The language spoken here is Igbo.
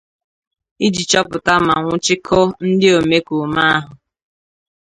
iji chọpụta ma nwụchikọọ ndị omekoome ahụ.